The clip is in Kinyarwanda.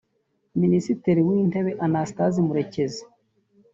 Minisitiri w’Intebe Anastase Murekezi